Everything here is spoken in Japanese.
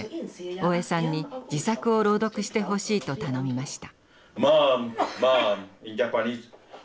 大江さんに自作を朗読してほしいと頼みました。